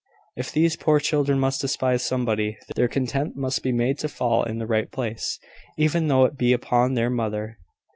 If these poor children must despise somebody, their contempt must be made to fall in the right place, even though it be upon their mother."